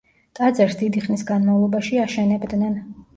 ტაძარს დიდი ხნის განმავლობაში აშენებდნენ.